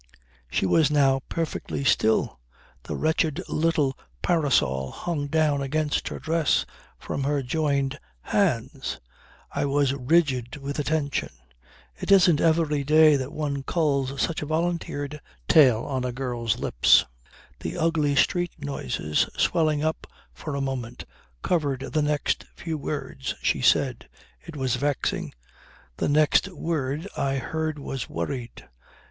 She was now perfectly still. The wretched little parasol hung down against her dress from her joined hands. I was rigid with attention. It isn't every day that one culls such a volunteered tale on a girl's lips. The ugly street noises swelling up for a moment covered the next few words she said. It was vexing. The next word I heard was "worried."